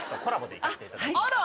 あら。